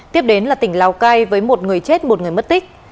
tiếp đến là tỉnh lào cai với một người chết một người mất tích